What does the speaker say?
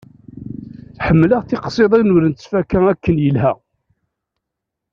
Ḥemmleɣ tiqsiḍin ur nettfaka akken ilha.